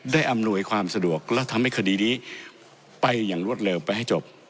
อำนวยความสะดวกและทำให้คดีนี้ไปอย่างรวดเร็วไปให้จบ